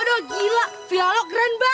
taduh gila vialo keren banget